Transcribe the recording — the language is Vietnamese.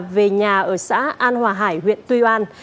về nhà ở xã an hòa hải huyện tuy an